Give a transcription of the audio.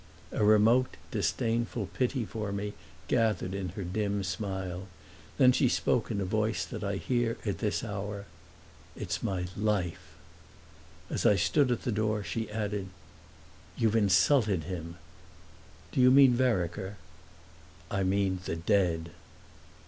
A remote disdainful pity for me gathered in her dim smile; then she spoke in a voice that I hear at this hour: "It's my life!" As I stood at the door she added: "You've insulted him!" "Do you mean Vereker?" "I mean the Dead!"